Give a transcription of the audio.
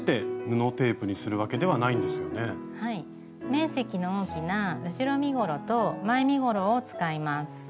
面積の大きな後ろ身ごろと前身ごろを使います。